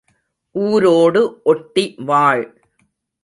ஊரோடு ஒட்டி வாழ்.